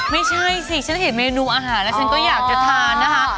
ไม่ใช่สิฉันเห็นเมนูอาหารแล้วฉันก็อยากจะทานนะคะ